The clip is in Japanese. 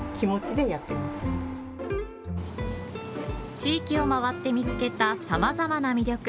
地域を回って見つけたさまざまな魅力。